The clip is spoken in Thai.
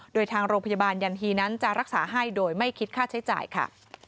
โดยทางโรงพยาบาลยันฮีนั้นจะรักษาให้โดยไม่คิดค่าใช้จ่ายค่ะ